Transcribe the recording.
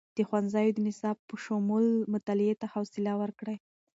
د ښوونځیو د نصاب په شمول، مطالعې ته خوصله ورکړئ.